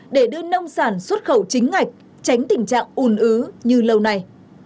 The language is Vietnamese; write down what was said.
để đưa nông sản xuất khẩu chính ngạch tránh tình trạng ủn ứ như lâu nay